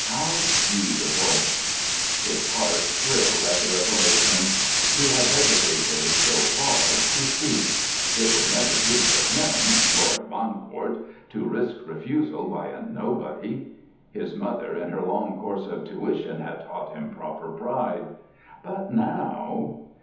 How beautiful! His heart thrilled at the revelation. He had hesitated, so far, to speak. It would never do for him—Lord Bancourt—to risk refusal by a nobody. His mother, in her long course of tuition, had taught him proper pride. But now....